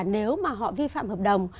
nếu mà họ vi phạm hợp đồng